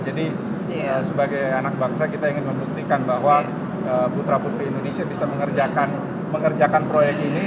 jadi sebagai anak bangsa kita ingin membuktikan bahwa putra putri indonesia bisa mengerjakan proyek ini